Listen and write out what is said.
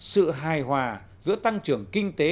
sự hài hòa giữa tăng trường kinh tế